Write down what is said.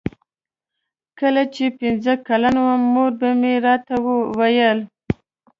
کله چې پنځه کلن وم مور به مې راته ویل.